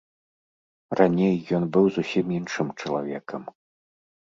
Раней ён быў зусім іншым чалавекам.